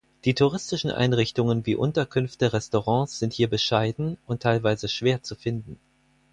Die touristischen Einrichtungen wie Unterkünfte, Restaurants sind hier bescheiden und teilweise schwer zu finden.